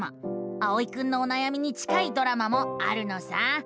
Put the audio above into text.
あおいくんのおなやみに近いドラマもあるのさ。